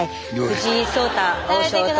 藤井聡太王将と。